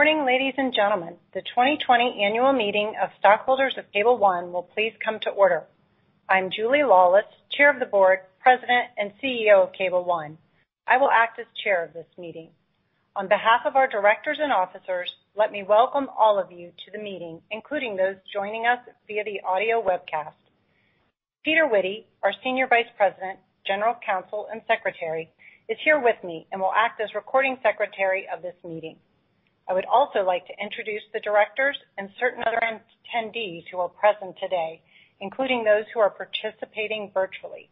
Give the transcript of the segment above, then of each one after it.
Morning, ladies and gentlemen. The 2020 annual meeting of stockholders of Cable One will please come to order. I'm Julia Laulis, Chair of the Board, President, and CEO of Cable One. I will act as chair of this meeting. On behalf of our directors and officers, let me welcome all of you to the meeting, including those joining us via the audio webcast. Peter Witty, our Senior Vice President, General Counsel, and Secretary, is here with me and will act as recording secretary of this meeting. I would also like to introduce the directors and certain other attendees who are present today, including those who are participating virtually.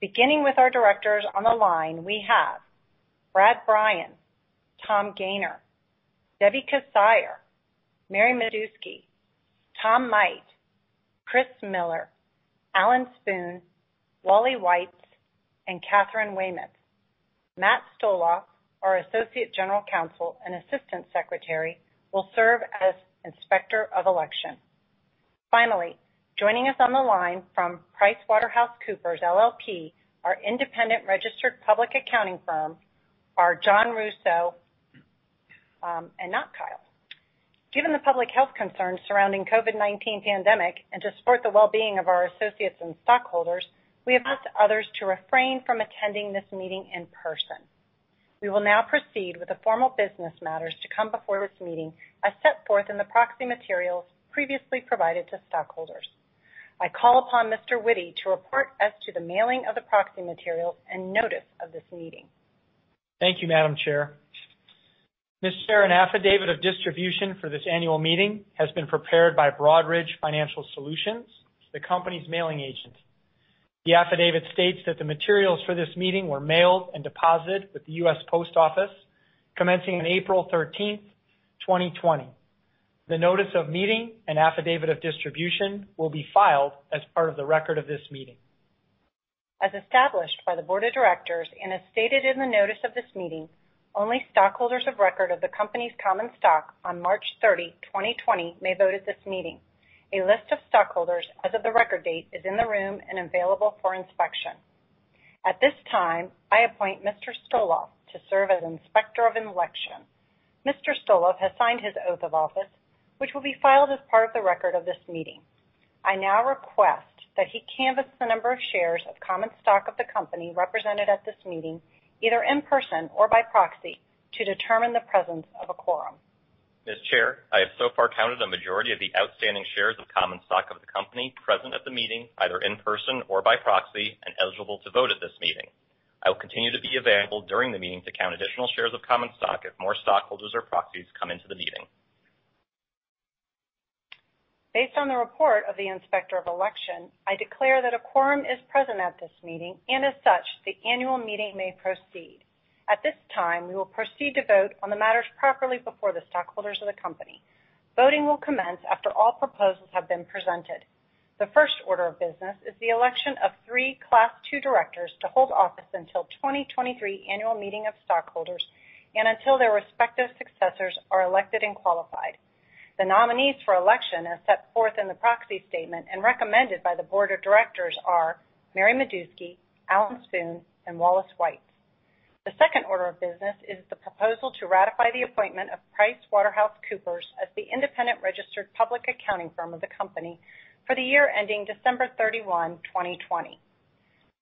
Beginning with our directors on the line, we have Brad Brian, Tom Gayner, Debbie Kissire, Mary Meduski, Tom Might, Kristine Miller, Alan Spoon, Wally Weitz, and Katharine Weymouth. Matt Stoloff, our Associate General Counsel and Assistant Secretary, will serve as Inspector of Election. Joining us on the line from PricewaterhouseCoopers, LLP, our independent registered public accounting firm, are John Russo and not Kyle. Given the public health concerns surrounding COVID-19 pandemic, and to support the well-being of our associates and stockholders, we ask others to refrain from attending this meeting in person. We will now proceed with the formal business matters to come before this meeting, as set forth in the proxy materials previously provided to stockholders. I call upon Mr. Witty to report as to the mailing of the proxy materials and notice of this meeting. Thank you, Madam Chair. Ms. Chair, an affidavit of distribution for this annual meeting has been prepared by Broadridge Financial Solutions, the company's mailing agent. The affidavit states that the materials for this meeting were mailed and deposited with the U.S. Post Office commencing on April 13th, 2020. The notice of meeting and affidavit of distribution will be filed as part of the record of this meeting. As established by the board of directors and as stated in the notice of this meeting, only stockholders of record of the company's common stock on March 30, 2020 may vote at this meeting. A list of stockholders as of the record date is in the room and available for inspection. At this time, I appoint Mr. Stoloff to serve as Inspector of Election. Mr. Stoloff has signed his oath of office, which will be filed as part of the record of this meeting. I now request that he canvass the number of shares of common stock of the company represented at this meeting, either in person or by proxy, to determine the presence of a quorum. Ms. Chair, I have so far counted a majority of the outstanding shares of common stock of the company present at the meeting, either in person or by proxy, and eligible to vote at this meeting. I will continue to be available during the meeting to count additional shares of common stock if more stockholders or proxies come into the meeting. Based on the report of the Inspector of Election, I declare that a quorum is present at this meeting, and as such, the annual meeting may proceed. At this time, we will proceed to vote on the matters properly before the stockholders of the company. Voting will commence after all proposals have been presented. The first order of business is the election of three class 2 directors to hold office until 2023 annual meeting of stockholders and until their respective successors are elected and qualified. The nominees for election, as set forth in the proxy statement and recommended by the board of directors, are Mary Meduski, Alan Spoon, and Wallace Weitz. The second order of business is the proposal to ratify the appointment of PricewaterhouseCoopers as the independent registered public accounting firm of the company for the year ending December 31, 2020.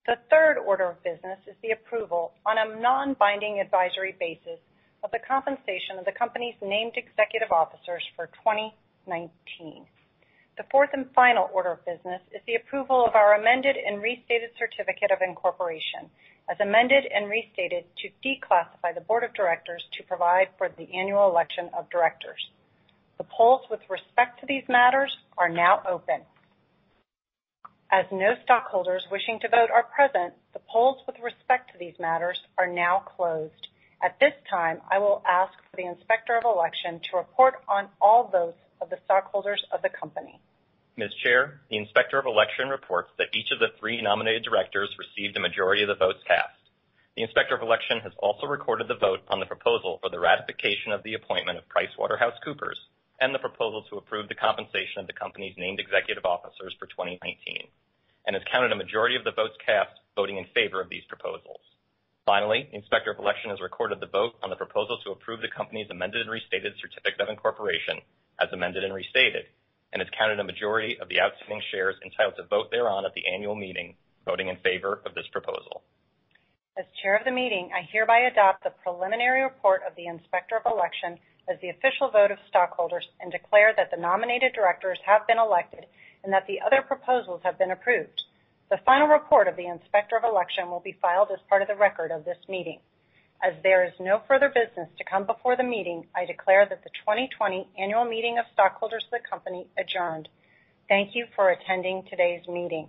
The third order of business is the approval on a non-binding advisory basis of the compensation of the company's named executive officers for 2019. The fourth and final order of business is the approval of our amended and restated certificate of incorporation, as amended and restated to declassify the board of directors to provide for the annual election of directors. The polls with respect to these matters are now open. As no stockholders wishing to vote are present, the polls with respect to these matters are now closed. At this time, I will ask for the Inspector of Election to report on all votes of the stockholders of the company. Ms. Chair, the Inspector of Election reports that each of the three nominated directors received a majority of the votes cast. The Inspector of Election has also recorded the vote on the proposal for the ratification of the appointment of PricewaterhouseCoopers and the proposal to approve the compensation of the company's named executive officers for 2019 and has counted a majority of the votes cast voting in favor of these proposals. Finally, the Inspector of Election has recorded the vote on the proposal to approve the company's amended and restated certificate of incorporation, as amended and restated, and has counted a majority of the outstanding shares entitled to vote thereon at the annual meeting, voting in favor of this proposal. As Chair of the meeting, I hereby adopt the preliminary report of the Inspector of Election as the official vote of stockholders and declare that the nominated directors have been elected and that the other proposals have been approved. The final report of the Inspector of Election will be filed as part of the record of this meeting. As there is no further business to come before the meeting, I declare that the 2020 annual meeting of stockholders of the company adjourned. Thank you for attending today's meeting.